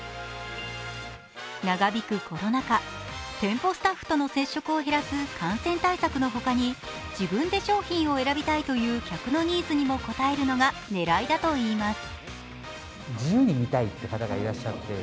長引くコロナ禍、店舗スタッフとの接触を減らす感染対策の他に自分で商品を選びたいという客のニーズにも応えるのが狙いだといいます。